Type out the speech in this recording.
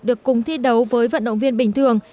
được cùng thi đấu với vận động viên bình thường